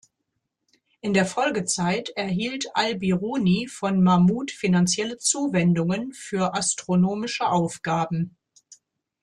In der Folgezeit erhielt al-Biruni von Mahmud finanzielle Zuwendungen für astronomische Aufgaben.